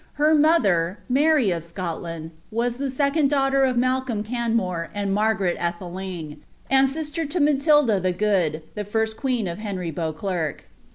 Her mother, Mary of Scotland, wag the seconi) daughter of Malcolm Conmnrc and Margsrel Atheling, and sister to Matilda the Good, the first queeo cl Henry Beauclerc.